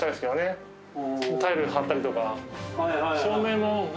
タイル貼ったりとか。